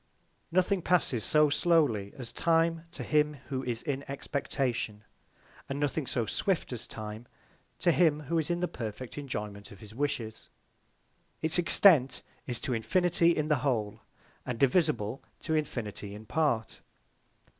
Nothing passes so slowly as Time to him who is in Expectation; and nothing so swift as Time to him who is in the perfect Enjoyment of his Wishes. It's Extent is to Infinity, in the Whole; and divisible to Infinity in part.